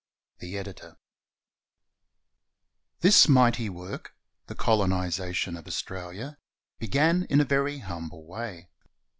The Editor] This mighty work [the colonization of Australia] began in a very humble way.